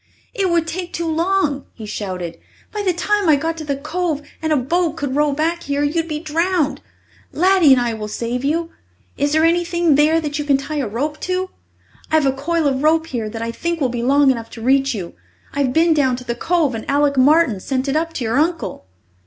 "It would take too long," he shouted. "By the time I got to the Cove and a boat could row back here, you'd be drowned. Laddie and I will save you. Is there anything there you can tie a rope to? I've a coil of rope here that I think will be long enough to reach you. I've been down to the Cove and Alec Martin sent it up to your uncle."